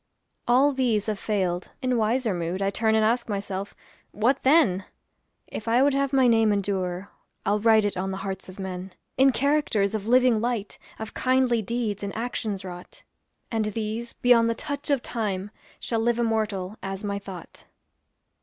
All these have failed. In wiser mood I turn and ask myself, "What then?" If I would have my name endure, I'll write it on the hearts of men, In characters of living light, Of kindly deeds and actions wrought. And these, beyond the touch of time, Shall live immortal as my thought.